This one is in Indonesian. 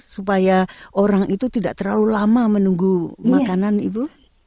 supaya orang itu tidak terlalu lama menunggu makanan ibu